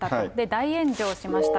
大炎上しました。